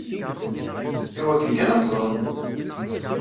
Iwakken kan ad t-ẓren medden.